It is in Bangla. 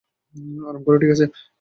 আরাম কর, ঠিক আছে?